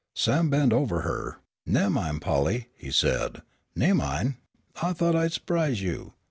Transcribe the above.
Sam bent over her. "Nemmine, Polly," he said. "Nemmine. I thought I'd su'prise you.